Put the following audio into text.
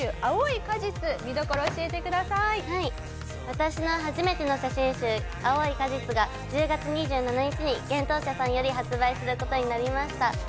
私の初めての写真集『青い果実』が１０月２７日に幻冬舎さんより発売する事になりました。